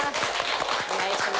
お願いします。